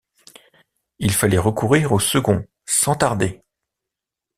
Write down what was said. Il fallait recourir au second sans tarder.